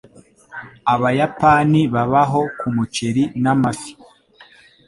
Abayapani babaho kumuceri n'amafi.